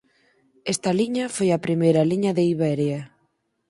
Esta liña foi a primeira liña de Iberia.